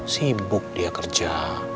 sibuk dia kerja